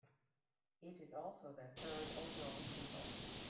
It is also their third overall single.